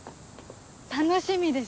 楽しみです。